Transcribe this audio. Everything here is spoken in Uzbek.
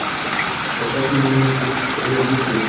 Boshlanishi yomon emas, deb o`yladi Jessi